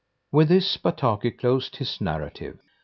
'" With this Bataki closed his narrative.